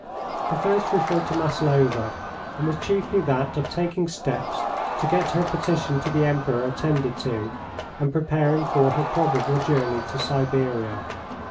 The first referred to Maslova, and was chiefly that of taking steps to get her petition to the Emperor attended to, and preparing for her probable journey to Siberia.